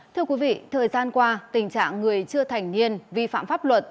thưa quý vị thời gian qua tình trạng người chưa thành niên vi phạm pháp luật